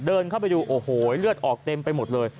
เดินเข้าไปดูโอ้โหเลือดออกเต็มไปหมดเลย